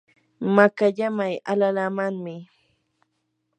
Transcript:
makallamay alalaamanmi.